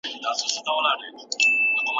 د کاندیدانو شالید څنګه څیړل کیږي؟